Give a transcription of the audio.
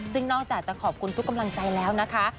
ซึ่งนอกจากจะขอบคุณทุกกำลังใจแล้วนะคะ